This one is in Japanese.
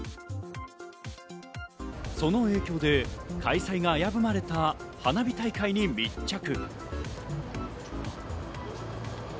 その影響で開催が危ぶまれた花火大会に密着。